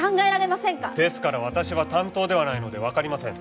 ですから私は担当ではないのでわかりません。